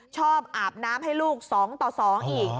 อาบน้ำให้ลูก๒ต่อ๒อีก